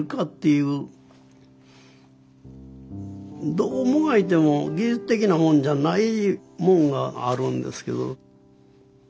どうもがいても技術的なもんじゃないもんがあるんですけど。